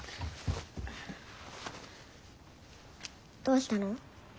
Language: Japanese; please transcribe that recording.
どうしたの？